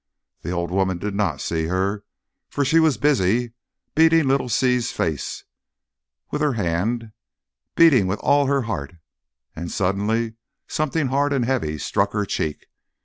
The old woman did not see her, for she was busy beating little Si's face with her hand, beating with all her heart, and suddenly something hard and heavy struck her cheek.